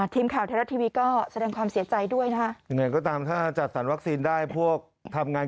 ทีมข่าวทะเลาะทีวีก็แสดงความเสียใจด้วยนะคะ